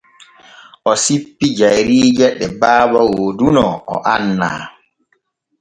O sippi jayriije ɗe baaba wooduno o annaa.